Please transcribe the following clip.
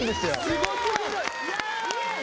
すごすぎる！